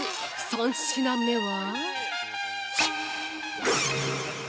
三品目は？